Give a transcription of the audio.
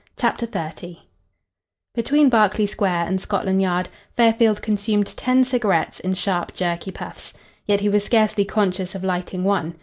CHAPTER XXX Between Berkeley Square and Scotland Yard, Fairfield consumed ten cigarettes in sharp jerky puffs. Yet he was scarcely conscious of lighting one.